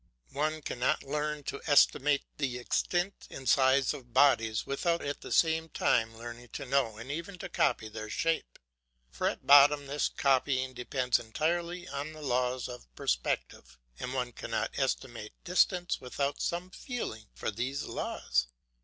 One cannot learn to estimate the extent and size of bodies without at the same time learning to know and even to copy their shape; for at bottom this copying depends entirely on the laws of perspective, and one cannot estimate distance without some feeling for these laws.